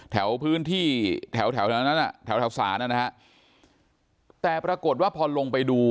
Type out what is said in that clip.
แถวพื้นที่แถวแถวนั้นอ่ะแถวแถวศาลนะฮะแต่ปรากฏว่าพอลงไปดู